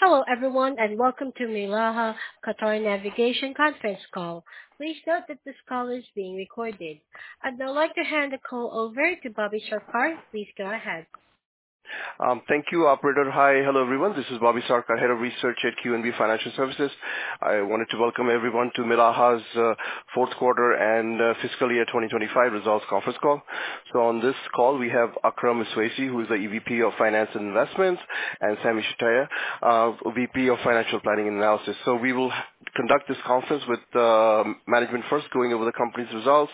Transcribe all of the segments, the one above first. Hello everyone and welcome to Milaha Qatar Navigation conference call. Please note that this call is being recorded. I'd now like to hand the call over to Bobby Sarkar. Please go ahead. Thank you operator. Hi. Hello everyone. This is Bobby Sarkar, Head of Research at QNB Financial Services. I wanted to welcome everyone to Milaha's fourth quarter and fiscal year 2025 results conference call. On this call we have Akram Bashir Iswaisi, who is the EVP of Finance and Investments, and Sami Shtayyeh, VP of Financial Planning and Analysis. We will conduct this conference with management first, going over the company's results,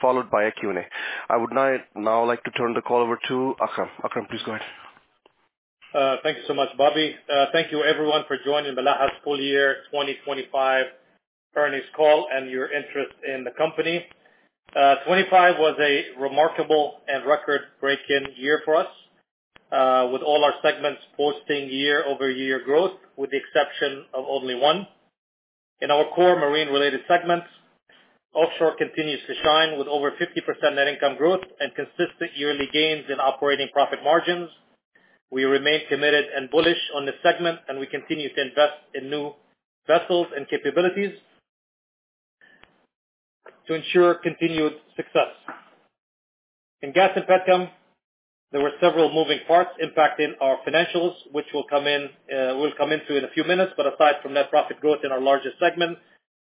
followed by a Q&A. I would now like to turn the call over to Akram. Akram, please go ahead. Thank you so much, Bobby. Thank you everyone for joining Milaha's full year 2025 earnings call and your interest in the company. 2025 was a remarkable and record-breaking year for us, with all our segments posting year-over-year growth, with the exception of only one. In our core marine-related segments, Offshore continues to shine with over 50% net income growth and consistent yearly gains in operating profit margins. We remain committed and bullish on this segment, and we continue to invest in new vessels and capabilities to ensure continued success. In Gas and Petrochem, there were several moving parts impacting our financials, which we'll come into in a few minutes. Aside from net profit growth in our largest segment,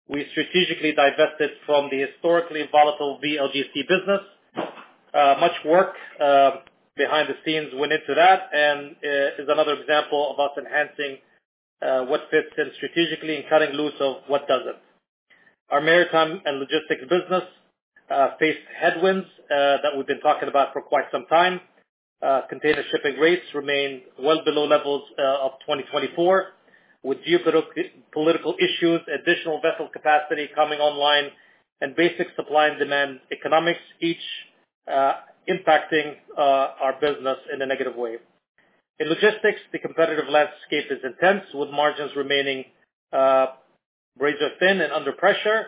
we strategically divested from the historically volatile VLGC business. Much work behind the scenes went into that and is another example of us enhancing what fits in strategically and cutting loose of what doesn't. Our maritime and logistics business faced headwinds that we've been talking about for quite some time. Container shipping rates remain well below levels of 2024, with geopolitical issues, additional vessel capacity coming online, and basic supply and demand economics each impacting our business in a negative way. In logistics, the competitive landscape is intense, with margins remaining razor-thin and under pressure.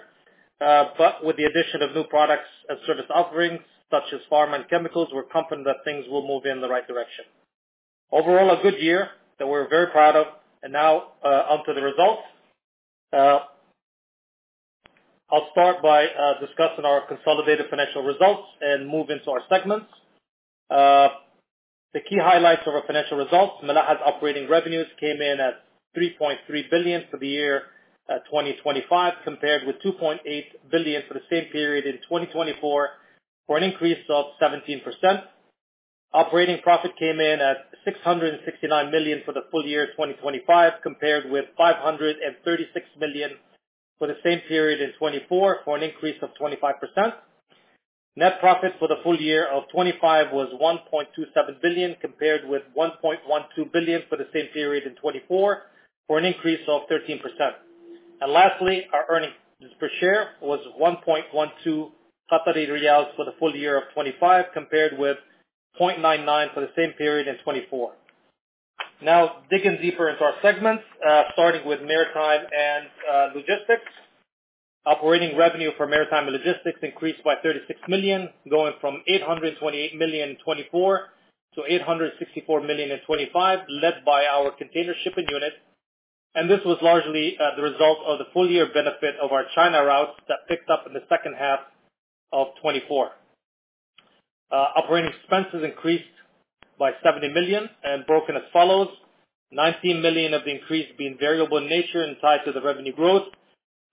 But with the addition of new products and service offerings such as pharma and chemicals, we're confident that things will move in the right direction. Overall, a good year that we're very proud of. Now on to the results. I'll start by discussing our consolidated financial results and move into our segments. The key highlights of our financial results. Milaha's operating revenues came in at 3.3 billion for the year 2025, compared with 2.8 billion for the same period in 2024, for an increase of 17%. Operating profit came in at 669 million for the full year 2025, compared with 536 million for the same period in 2024, for an increase of 25%. Net profit for the full year of 2025 was 1.27 billion, compared with 1.12 billion for the same period in 2024, for an increase of 13%. Lastly, our earnings per share was 1.12 Qatari riyals for the full year of 2025, compared with 0.99 for the same period in 2024. Now, digging deeper into our segments, starting with maritime and logistics. Operating revenue for Maritime and Logistics increased by 36 million, going from 828 million in 2024 to 864 million in 2025, led by our container shipping unit. This was largely the result of the full year benefit of our China routes that picked up in the second half of 2024. Operating expenses increased by 70 million and broken as follows. 19 million of the increase being variable in nature and tied to the revenue growth,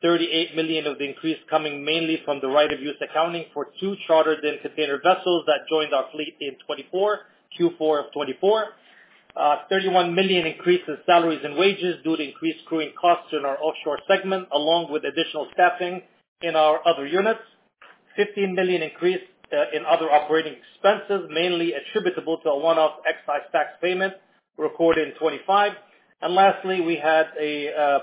38 million of the increase coming mainly from the right of use accounting for two chartered in container vessels that joined our fleet in Q4 of 2024. 31 million increase in salaries and wages due to increased crewing costs in our Offshore segment, along with additional staffing in our other units. 15 million increase in other operating expenses, mainly attributable to a one-off excise tax payment recorded in 2025. Lastly, we had a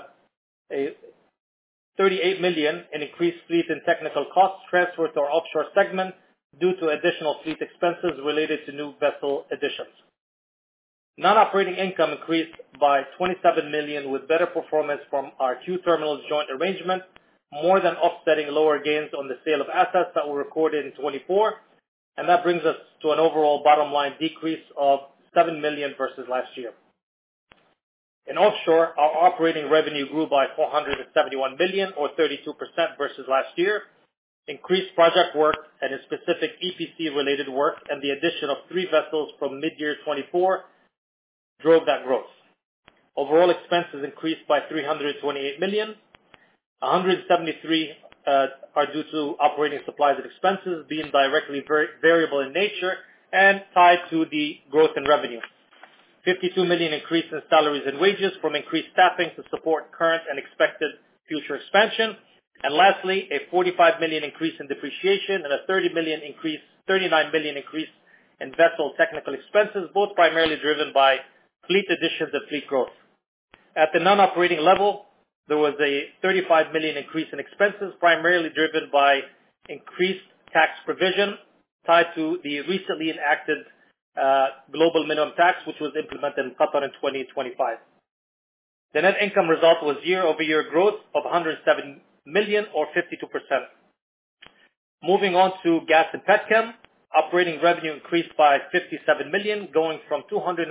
38 million in increased fleet and technical costs transferred to our Offshore segment due to additional fleet expenses related to new vessel additions. Non-operating income increased by 27 million, with better performance from our two terminal joint arrangement, more than offsetting lower gains on the sale of assets that were recorded in 2024. That brings us to an overall bottom line decrease of 7 million versus last year. In Offshore, our operating revenue grew by 471 million or 32% versus last year. Increased project work and a specific EPC-related work, and the addition of three vessels from mid-year 2024 drove that growth. Overall expenses increased by 328 million. 173 million are due to operating supplies and expenses being directly variable in nature and tied to the growth in revenue. 52 million increase in salaries and wages from increased staffing to support current and expected future expansion. Lastly, a 45 million increase in depreciation and a 39 million increase in vessel technical expenses, both primarily driven by fleet additions and fleet growth. At the non-operating level, there was a 35 million increase in expenses, primarily driven by increased tax provision tied to the recently enacted Global Minimum Tax, which was implemented in Qatar in 2025. The net income result was year-over-year growth of 107 million or 52%. Moving on to Gas & Petrochem. Operating revenue increased by $57 million, going from $246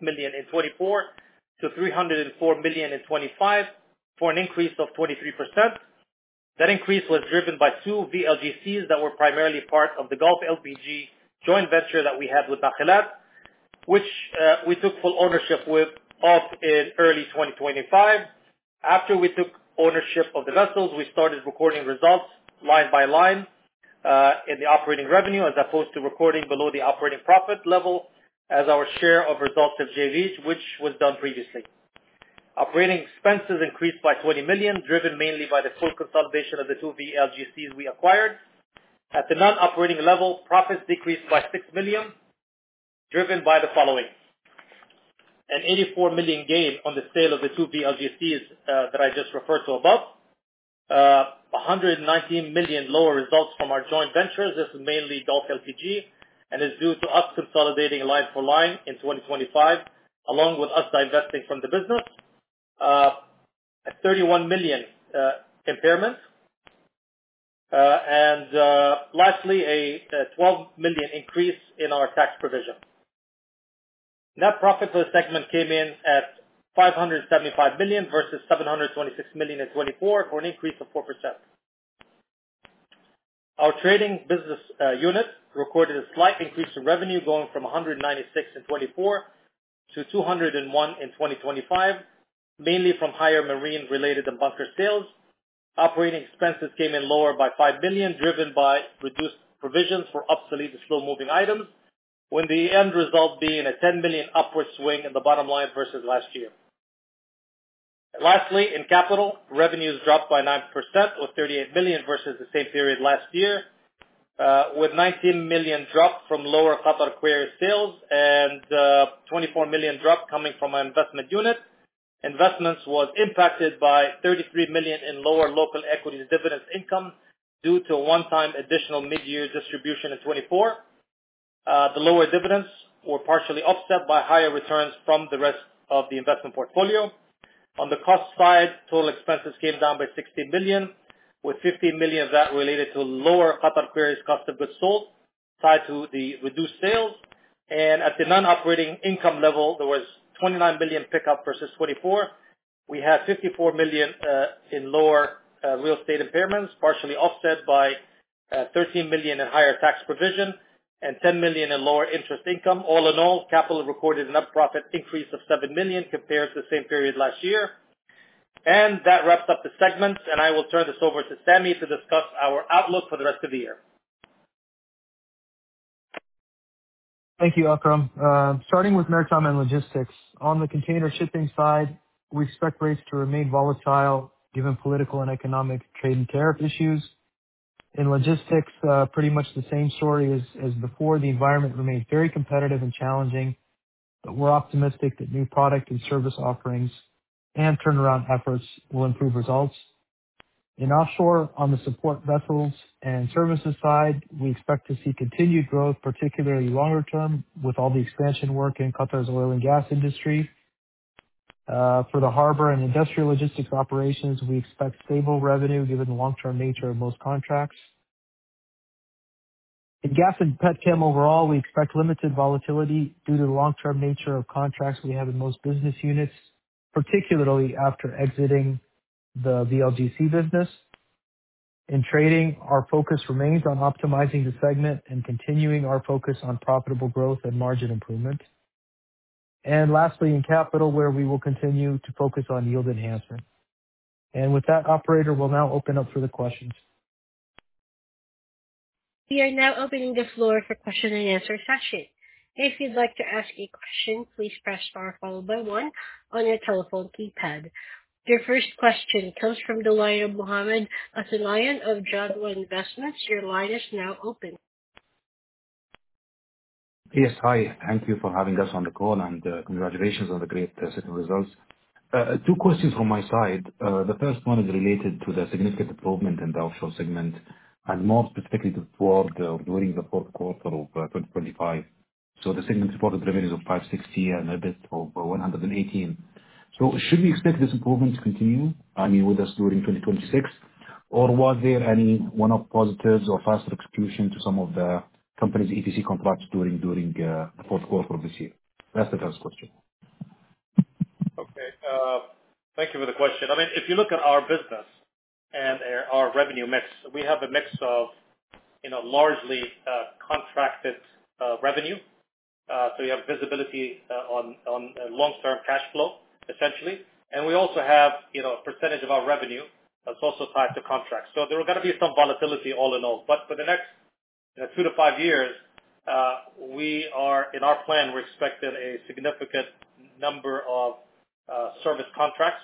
million in 2024 to $304 million in 2025, for an increase of 43%. That increase was driven by two VLGCs that were primarily part of the Gulf LPG joint venture that we had with Nakilat, which we took full ownership of in early 2025. After we took ownership of the vessels, we started recording results line by line, in the operating revenue, as opposed to recording below the operating profit level as our share of results of JVs, which was done previously. Operating expenses increased by $20 million, driven mainly by the full consolidation of the two VLGCs we acquired. At the non-operating level, profits decreased by $6 million, driven by the following, an $84 million gain on the sale of the two VLGCs that I just referred to above, $119 million lower results from our joint ventures. This is mainly Gulf LPG and is due to us consolidating line by line fully in 2025, along with us divesting from the business. A $31 million impairment. Lastly, a $12 million increase in our tax provision. Net profit for the segment came in at $575 million, versus $726 million in 2024, for an increase of 4%. Our trading business unit recorded a slight increase in revenue going from $196 million in 2024 to $201 million in 2025, mainly from higher marine related and bunker sales. Operating expenses came in lower by $5 million, driven by reduced provisions for obsolete and slow-moving items. With the end result being a $10 million upward swing in the bottom line versus last year. Lastly, in Capital, revenues dropped by 9% or $38 million versus the same period last year, with $19 million drop from lower Qatar Quarries sales and $24 million drop coming from our investment unit. Investments was impacted by $33 million in lower local equities dividends income due to a one-time additional midyear distribution in 2024. The lower dividends were partially offset by higher returns from the rest of the investment portfolio. On the cost side, total expenses came down by $16 million, with $15 million of that related to lower Qatar Quarries cost of goods sold tied to the reduced sales. At the non-operating income level, there was $29 million pickup versus 2024. We had $54 million in lower real estate impairments, partially offset by $13 million in higher tax provision and $10 million in lower interest income. All in all, Capital recorded a net profit increase of $7 million compared to the same period last year. That wraps up the segments, and I will turn this over to Sami to discuss our outlook for the rest of the year. Thank you Akram. Starting with Maritime and Logistics. On the container shipping side, we expect rates to remain volatile given political and economic trade and tariff issues. In logistics, pretty much the same story as before. The environment remains very competitive and challenging, but we're optimistic that new product and service offerings and turnaround efforts will improve results. In Offshore, on the support vessels and services side, we expect to see continued growth, particularly longer term, with all the expansion work in Qatar's oil and gas industry. For the harbor and industrial logistics operations, we expect stable revenue given the long-term nature of most contracts. In Gas and Petrochem overall, we expect limited volatility due to the long-term nature of contracts we have in most business units, particularly after exiting the VLGC business. In trading, our focus remains on optimizing the segment and continuing our focus on profitable growth and margin improvement. Lastly, in capital, where we will continue to focus on yield enhancement. With that, operator, we'll now open up for the questions. We are now opening the floor for question and answer session. If you'd like to ask a question, please press star followed by one on your telephone keypad. Your first question comes from Mohammed Al-Thunayan of Jadwa Investment. Your line is now open. Yes. Hi, thank you for having us on the call, and congratulations on the great set of results. Two questions from my side. The first one is related to the significant improvement in the offshore segment, and more specifically during the fourth quarter of 2025. The segment's Q4 revenue is $560 million a bit over $118 million. Should we expect this improvement to continue, I mean, with us during 2026? Or was there any one-off positives or faster execution to some of the company's EPC contracts during the fourth quarter of this year? That's the first question. Okay. Thank you for the question. I mean, if you look at our business and our revenue mix, we have a mix of largely contracted revenue, so we have visibility on long-term cash flow, essentially. We also have a percentage of our revenue that's also tied to contracts. There are gonna be some volatility all in all. For the next 2-5 years, in our plan, we're expecting a significant number of service contracts,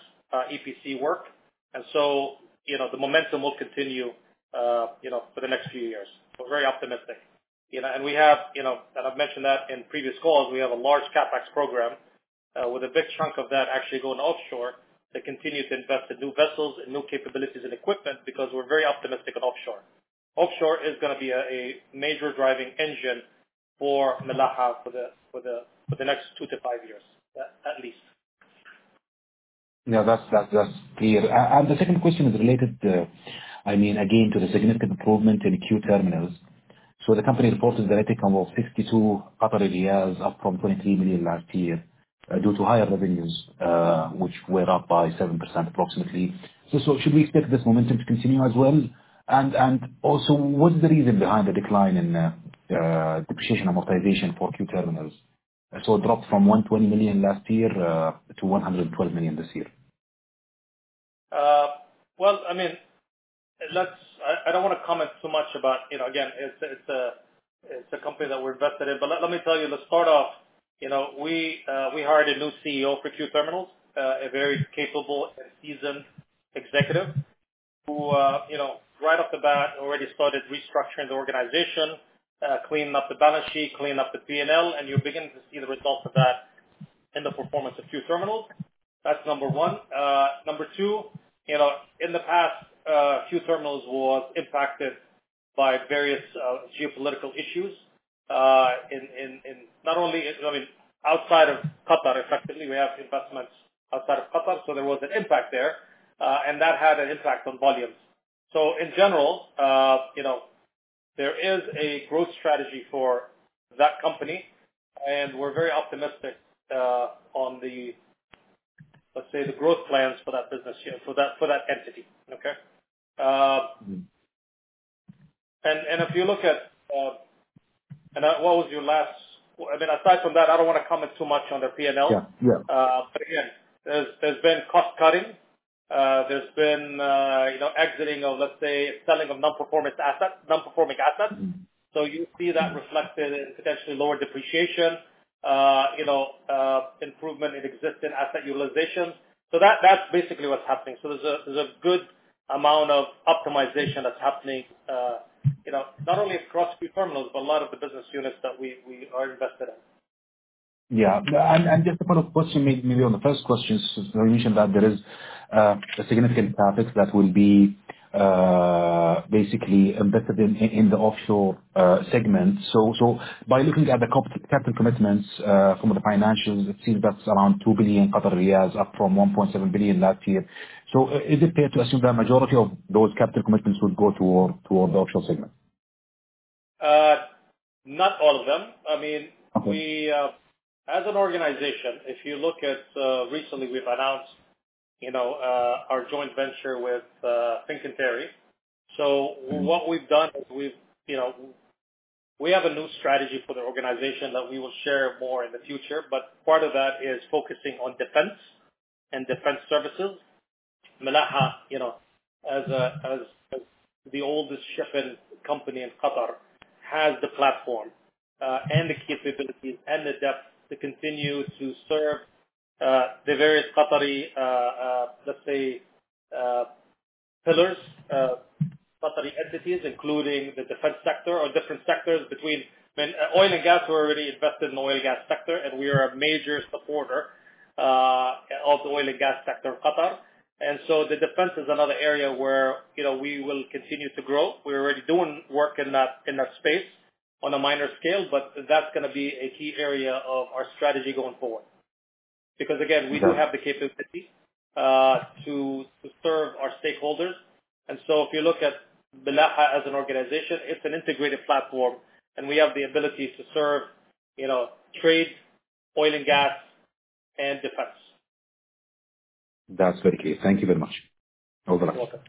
EPC work, and so the momentum will continue for the next few years. We're very optimistic. I've mentioned that in previous calls, we have a large CapEx program with a big chunk of that actually going offshore that continue to invest in new vessels and new capabilities and equipment because we're very optimistic on offshore. Offshore is gonna be a major driving engine for Milaha for the next 2-5 years, at least. Yeah, that's clear. The second question is related, again, to the significant improvement in QTerminals. The company reported direct income of 52 million, up from 23 million last year, due to higher revenues, which were up by approximately 7%. Should we expect this momentum to continue as well? What's the reason behind the decline in depreciation and amortization for QTerminals? It dropped from 120 million last year to 112 million this year. Well, I don't want to comment too much about, again, it's a company that we're invested in. Let me tell you, let's start off. We hired a new CEO for QTerminals, a very capable and seasoned executive who, right off the bat, already started restructuring the organization, cleaning up the balance sheet, cleaning up the P&L, and you're beginning to see the results of that in the performance of QTerminals. That's number one. Number two, in the past, QTerminals was impacted by various geopolitical issues. Outside of Qatar, effectively, we have investments outside of Qatar, so there was an impact there, and that had an impact on volumes. In general, there is a growth strategy for that company, and we're very optimistic on the, let's say, the growth plans for that business unit, for that entity, okay? Mm-hmm. If you look at... Aside from that, I don't want to comment too much on their P&L. Yeah. Again, there's been cost-cutting. There's been exiting of, let's say, selling of non-performing assets. Mm-hmm. You see that reflected in potentially lower depreciation, improvement in existing asset utilization. That's basically what's happening. There's a good amount of optimization that's happening, not only across QTerminals, but a lot of the business units that we are invested in. Yeah. Just to follow up question maybe on the first question, since you mentioned that there is a significant CapEx that will be basically invested in the offshore segment. By looking at the capital commitments from the financials, it seems that's around 2 billion, up from 1.7 billion last year. Is it fair to assume that majority of those capital commitments would go toward the offshore segment? Not all of them. Okay. As an organization, if you look at recently, we've announced our joint venture with Fincantieri. What we've done is we have a new strategy for the organization that we will share more in the future, but part of that is focusing on defense and defense services. Milaha, as the oldest shipping company in Qatar, has the platform and the capabilities and the depth to continue to serve the various Qatari, let's say, pillars, Qatari entities, including the defense sector or different sectors between oil and gas, we're already invested in the oil and gas sector, and we are a major supporter of the oil and gas sector in Qatar. The defense is another area where we will continue to grow. We're already doing work in that space on a minor scale, but that's going to be a key area of our strategy going forward. Because again. Sure We do have the capability to serve our stakeholders. If you look at Milaha as an organization, it's an integrated platform, and we have the ability to serve trade, oil and gas, and defense. That's very clear. Thank you very much. Over. You're welcome.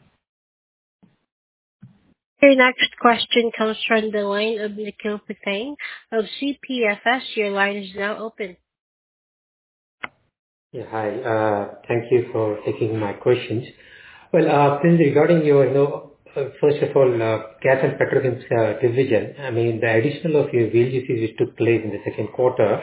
Your next question comes from the line of Nikhil Patel of QNB Financial Services. Your line is now open. Yeah hi. Thank you for taking my questions. Well, regarding your first of all, Gas and Petrochem division, the addition of your VLGC which took place in the second quarter.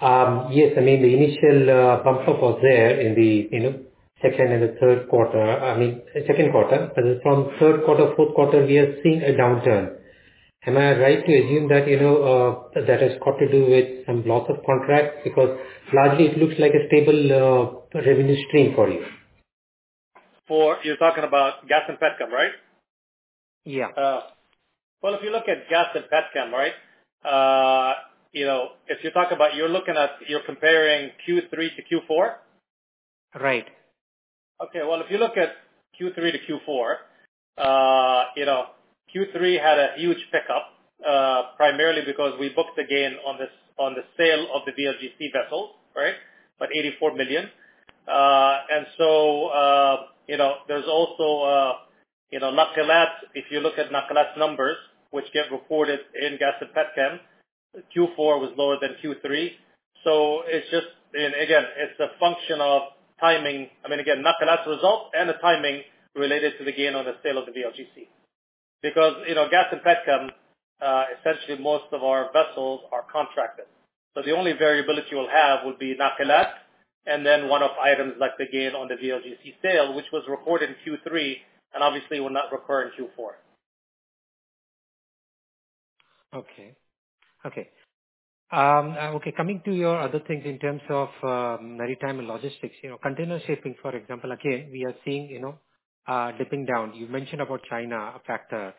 Yes, the initial bump up was there in the second and the third quarter. I mean, second quarter. From third quarter, fourth quarter, we are seeing a downturn. Am I right to assume that that has got to do with some loss of contract? Because largely, it looks like a stable revenue stream for you. You're talking about Gas and Petrochem, right? Yeah. Well, if you look at Gas & Petrochem, if you're comparing Q3 to Q4? Right. Okay. Well, if you look at Q3 to Q4, Q3 had a huge pickup, primarily because we booked the gain on the sale of the VLGC vessels. Right? About 84 million. There's also Nakilat. If you look at Nakilat's numbers, which get reported in Gas & Petrochem, Q4 was lower than Q3. Again, it's a function of timing. Again, Nakilat's results and the timing related to the gain on the sale of the VLGC. Because Gas & Petrochem, essentially most of our vessels are contracted. The only variability we'll have would be Nakilat, and then one-off items like the gain on the VLGC sale, which was recorded in Q3, and obviously will not recur in Q4. Okay. Coming to your other things in terms of maritime and logistics, container shipping, for example, again, we are seeing dipping down. You mentioned about China, a factor.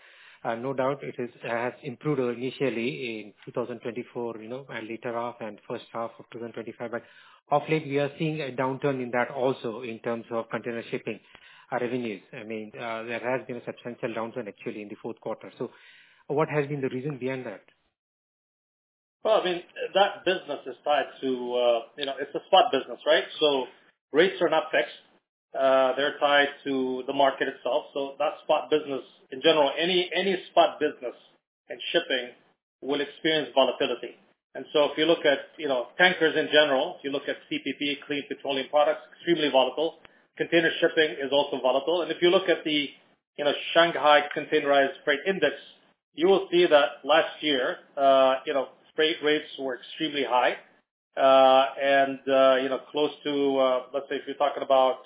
No doubt it has improved initially in 2024, and later half and first half of 2025. Of late, we are seeing a downturn in that also in terms of container shipping revenues. There has been a substantial downturn actually in the fourth quarter. What has been the reason behind that? Well, that business is tied to, it's a spot business, right? Rates are not fixed. They're tied to the market itself. That spot business in general, any spot business in shipping will experience volatility. If you look at tankers in general, if you look at CPP, clean petroleum products, extremely volatile. Container shipping is also volatile. If you look at the Shanghai Containerized Freight Index, you will see that last year, freight rates were extremely high. Close to, let's say if you're talking about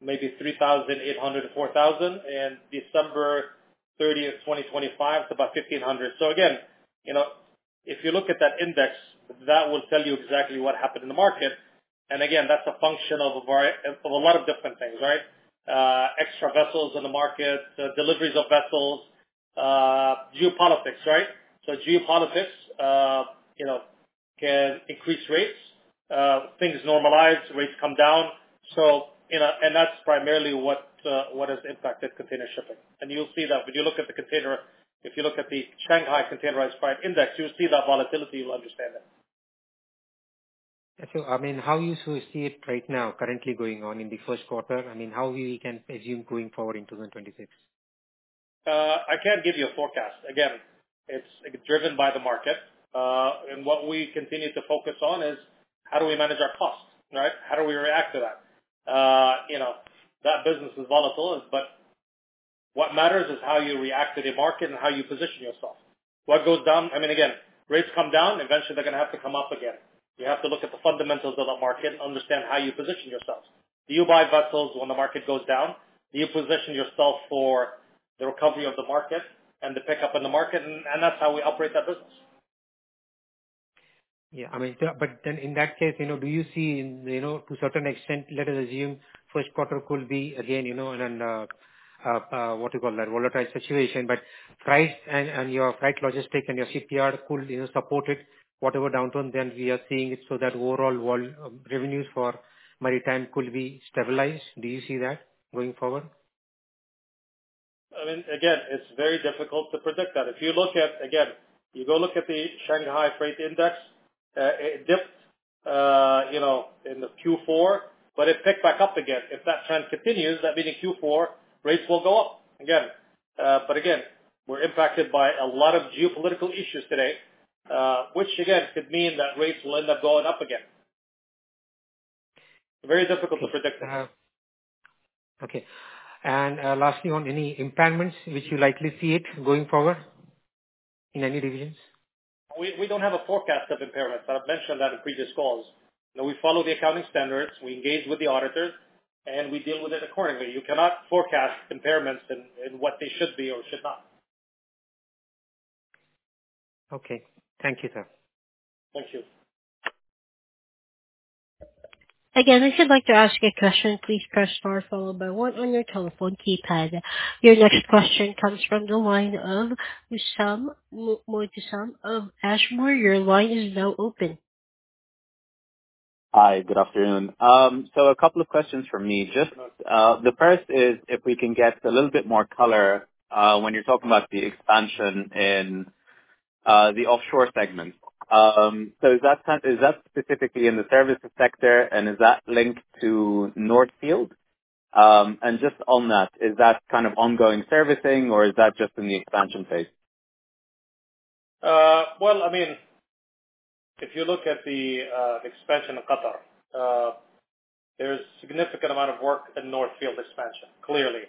maybe 3,800 to 4,000, in 30th December 2025, it's about 1,500. Again, if you look at that index, that will tell you exactly what happened in the market. Again, that's a function of a lot of different things. Extra vessels in the market, the deliveries of vessels, geopolitics. Geopolitics can increase rates, things normalize, rates come down. That's primarily what has impacted container shipping. You'll see that when you look at the container, if you look at the Shanghai Containerized Freight Index, you'll see that volatility, you'll understand that. How do you see it right now currently going on in the first quarter? How can we assume going forward in 2026? I can't give you a forecast. Again, it's driven by the market. What we continue to focus on is how do we manage our costs, right? How do we react to that? That business is volatile, but what matters is how you react to the market and how you position yourself. What goes down, again, rates come down, eventually they're going to have to come up again. You have to look at the fundamentals of the market and understand how you position yourself. Do you buy vessels when the market goes down? Do you position yourself for the recovery of the market and the pickup in the market? That's how we operate that business. Yeah. In that case, do you see, to a certain extent, let us assume first quarter could be again in an, what you call that volatile situation, but price and your freight logistics and your CPP could support it, whatever downturn then we are seeing so that overall revenues for maritime could be stabilized. Do you see that going forward? Again, it's very difficult to predict that. If you look at, again, you go look at the Shanghai Freight Index, it dipped in the Q4, but it picked back up again. If that trend continues, that means in Q4, rates will go up. Again, we're impacted by a lot of geopolitical issues today, which again could mean that rates will end up going up again. Very difficult to predict. Okay. Lastly, on any impairments which you likely see it going forward in any divisions? We don't have a forecast of impairments. I've mentioned that in previous calls. We follow the accounting standards, we engage with the auditors, and we deal with it accordingly. You cannot forecast impairments and what they should be or should not. Okay. Thank you, sir. Thank you. Again, if you'd like to ask a question, please press star followed by one on your telephone keypad. Your next question comes from the line of Hussam Moatassem of Ashmore. Your line is now open. Hi, good afternoon. A couple of questions from me. Just the first is if we can get a little bit more color, when you're talking about the expansion in the offshore segment. Is that specifically in the services sector and is that linked to North Field? And just on that, is that kind of ongoing servicing or is that just in the expansion phase? Well, if you look at the expansion of Qatar, there's significant amount of work in North Field expansion, clearly.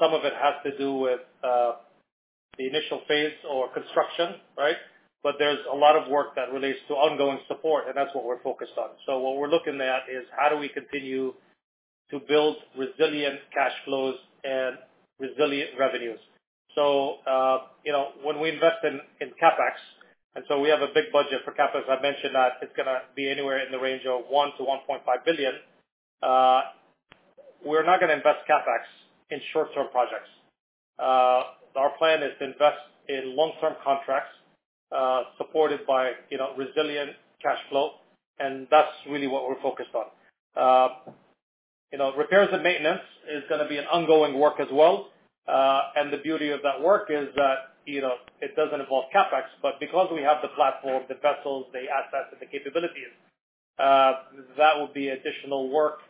Some of it has to do with the initial phase or construction, right? There's a lot of work that relates to ongoing support, and that's what we're focused on. What we're looking at is how do we continue to build resilient cash flows and resilient revenues. When we invest in CapEx, we have a big budget for CapEx. I've mentioned that it's gonna be anywhere in the range of 1 billion-1.5 billion. We're not going to invest CapEx in short-term projects. Our plan is to invest in long-term contracts, supported by resilient cash flow, and that's really what we're focused on. Repairs and maintenance is gonna be an ongoing work as well. The beauty of that work is that it doesn't involve CapEx. Because we have the platform, the vessels, the assets, and the capabilities, that will be additional work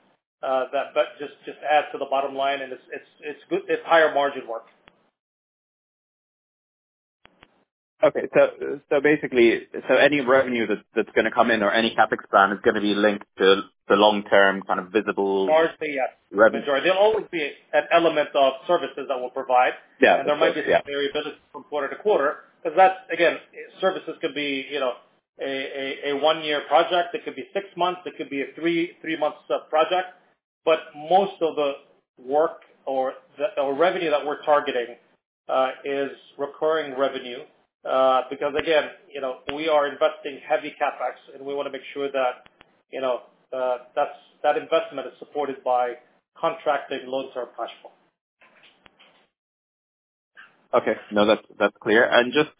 that just adds to the bottom line and it's higher margin work. Okay. Basically, any revenue that's gonna come in or any CapEx spend is gonna be linked to the long-term kind of visible- Largely, yes. Revenue. There'll always be an element of services that we'll provide. Yeah. There might be some varied business from quarter-to-quarter, because that's, again, services could be a one-year project, it could be six months, it could be a three months project. Most of the work or revenue that we're targeting is recurring revenue, because again, we are investing heavily in CapEx, and we want to make sure that investment is supported by contracted long-term platform. Okay. No, that's clear. Just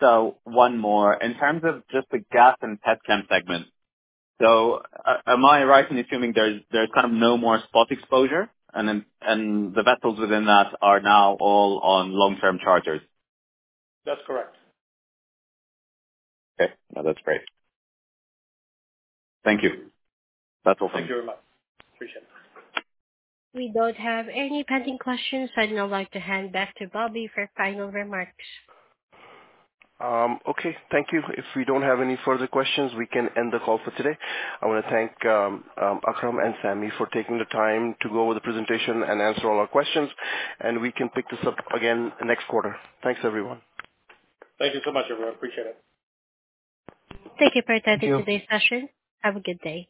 one more. In terms of just the Gas and Petrochem segment. So am I right in assuming there's kind of no more spot exposure and the vessels within that are now all on long-term charters? That's correct. Okay. No that's great. Thank you. That's all for me. Thank you very much. Appreciate it. We don't have any pending questions. I'd now like to hand back to Bobby for final remarks. Okay. Thank you. If we don't have any further questions, we can end the call for today. I want to thank Akram and Sami for taking the time to go over the presentation and answer all our questions. We can pick this up again next quarter. Thanks everyone. Thank you so much everyone. Appreciate it. Thank you for attending today's session. Have a good day.